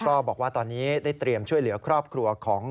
ก็บอกว่าตอนนี้ได้เตรียมช่วยเหลือครอบครัวของ